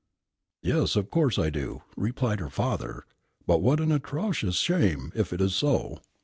"Yes, of course I do," replied her father. "But what an atrocious shame, if it is so!